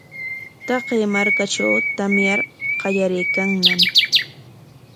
Taqay markatrawqa tamyar qallariykanñam.